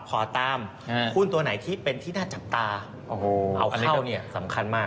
ขอตามหุ้นตัวไหนที่เป็นที่น่าจับตาเอาเข้าสำคัญมาก